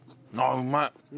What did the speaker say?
うまい！